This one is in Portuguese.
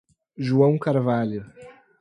João Carvalho